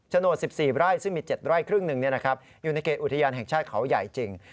โดด๑๔ไร่ซึ่งมี๗ไร่ครึ่งหนึ่งอยู่ในเขตอุทยานแห่งชาติเขาใหญ่จริง